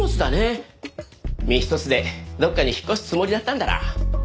身一つでどこかに引っ越すつもりだったんだろう。